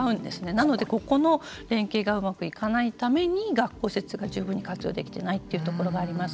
なので、ここの連携がうまくいかないために学校施設が十分に活用できていないというところがあります。